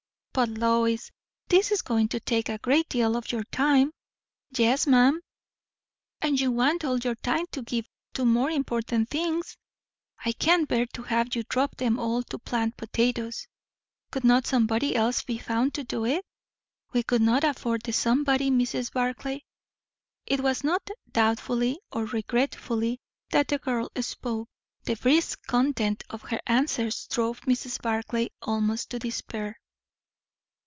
"But, Lois, this is going to take a great deal of your time." "Yes, ma'am." "And you want all your time, to give to more important things. I can't bear to have you drop them all to plant potatoes. Could not somebody else be found to do it?" "We could not afford the somebody, Mrs. Barclay." It was not doubtfully or regretfully that the girl spoke; the brisk content of her answers drove Mrs. Barclay almost to despair.